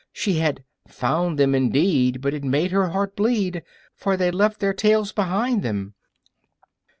She had Found them, indeed, but it made her heart bleed, For they'd left their tails behind them!